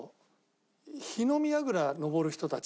「火の見やぐら登る人たち」？